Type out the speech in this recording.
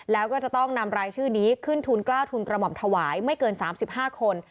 แล้วก็จะต้องนำรายชื่อนี้ขึ้นทุน๙ทุนกระหม่อมถวายไม่เกิน๓๕คน